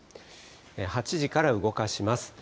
８時から動かします。